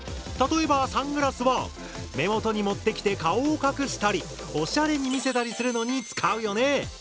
例えばサングラスは目元に持ってきて顔を隠したりオシャレに見せたりするのに使うよね。